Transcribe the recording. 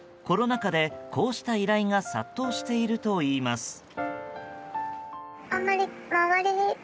コロナ禍で、こうした依頼が殺到しているといいます。